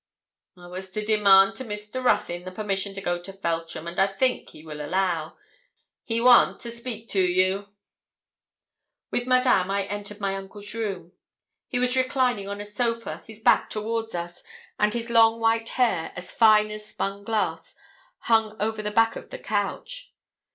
'I was to demand to Mr. Ruthyn the permission to go to Feltram, and I think he will allow. He want to speak to you.' With Madame I entered my uncle's room. He was reclining on a sofa, his back towards us, and his long white hair, as fine as spun glass, hung over the back of the couch.